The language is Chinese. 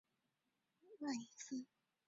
卖隐私得方便